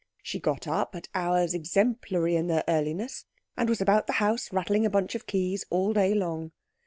She got up at hours exemplary in their earliness, and was about the house rattling a bunch of keys all day long.